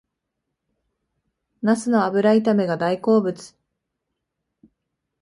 ナスの油炒めが大好物